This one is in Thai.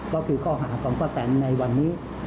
ก็คือข้อหาของป้าแตนในวันนี้